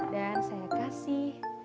dan saya kasih